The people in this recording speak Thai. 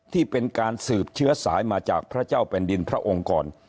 ที่เป็นการสืบเชื้อสายมาจากพระเจ้าแผ่นดินพระองค์ก่อน